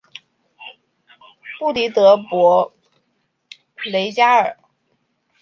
布迪德博雷加尔。